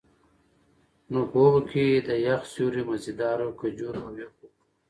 نو په هغو کي د يخ سيُوري، مزيدارو کجورو، او يخو اوبو